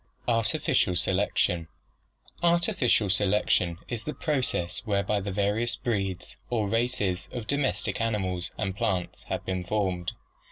ARTIFICIAL SELECTION Artificial selection is the process whereby the various breeds or races of domestic animals and plants have been formed.